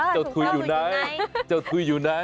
จดคุยอยู่ไหนจดคุยอยู่ไหน